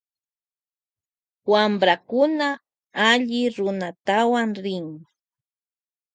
Wamprakuna alli runatawan rin.